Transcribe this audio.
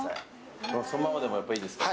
そのままでもやっぱりいいですか？